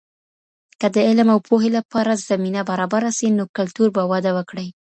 که د علم او پوهې لپاره زمینه برابره سي، نو کلتور به وده وکړي.